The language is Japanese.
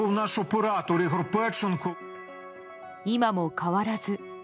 今も変わらず。